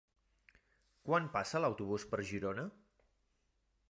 Quan passa l'autobús per Girona?